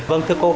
vâng thưa cô